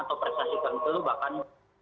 atau prestasi kami itu bahkan